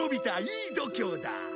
いい度胸だ。